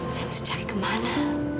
saya harus cari kemana